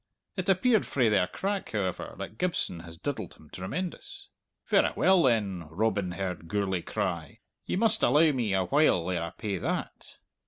It appeared frae their crack, however, that Gibson has diddled him tremendous. 'Verra well then,' Robin heard Gourlay cry, 'you must allow me a while ere I pay that!'